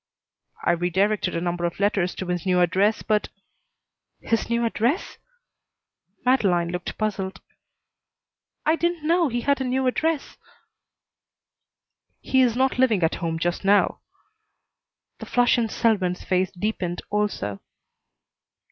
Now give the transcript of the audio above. "I redirected a number of letters to his new address, but " "His new address?" Madeleine looked puzzled. "I didn't know he had a new address." "He is not living at home just now." The flush in Selwyn's face deepened also.